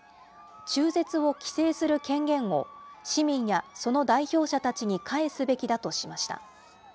中絶を規制する権限を市民やその代表者たちに返すべきだとしました。